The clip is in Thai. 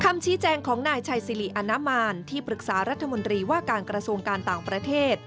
คำชี้แจงของนายชัยสิริอนามานที่ปรึกษารัฐมนตรีว่าการกระทรวงการต่างประเทศ